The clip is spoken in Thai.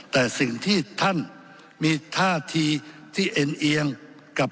แต่สิ่งที่ท่านมีท่าทีที่เอ็นเอียงกับ